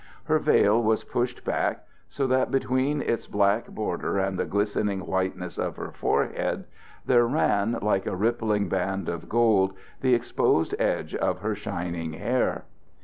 Her veil was pushed back, so that between its black border and the glistening whiteness of her forehead there ran, like a rippling band of gold, the exposed edges of her shining hair.